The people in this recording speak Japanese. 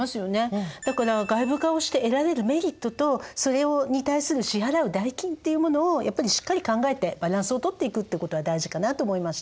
だから外部化をして得られるメリットとそれに対する支払う代金っていうものをやっぱりしっかり考えてバランスをとっていくっていうことが大事かなと思いました。